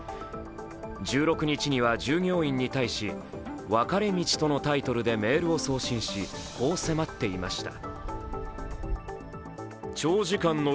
１６日には従業員に対し、「分かれ道」とのタイトルでメールを送信し、こう迫っていました。